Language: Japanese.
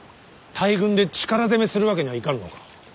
大軍で力攻めするわけにはいかぬのか。